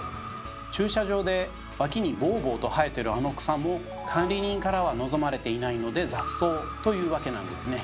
駐車場で脇にボーボーと生えてるあの草も管理人からは望まれていないので雑草というわけなんですね。